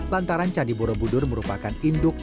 lantaran candi borobudur merupakan induk